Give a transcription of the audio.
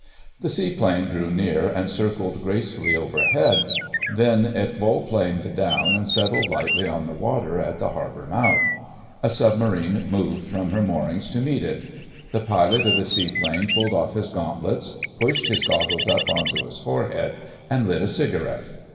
The seaplane drew near and circled gracefully overhead; then it volplaned down and settled lightly on the water at the harbour mouth: a Submarine moved from her moorings to meet it. The pilot of the seaplane pulled off his gauntlets, pushed his goggles up on to his forehead, and lit a cigarette.